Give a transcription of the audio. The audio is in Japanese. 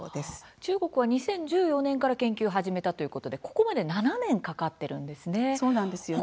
中国は２０１４年から研究を始めたということでここまで７年かかっているんですね。